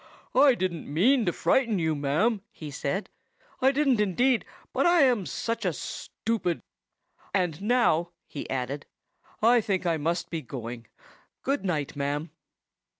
"I didn't mean to frighten you, ma'am," he said, "I didn't indeed; but I am such a stupid! And now," he added, "I think I must be going. Good night, ma'am."